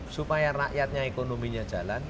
supaya rakyatnya ekonominya jalan